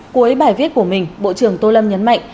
cuối bài viết của mình bộ trưởng tô lâm nhấn mạnh